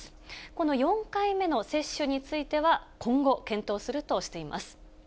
この４回目の接種については、今後、検討するとしています。